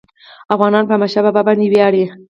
افغانان په احمدشاه بابا باندي ویاړي.